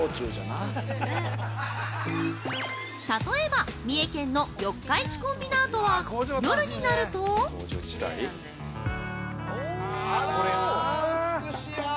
例えば、三重県の四日市コンビナートは夜になると◆あら美しやー。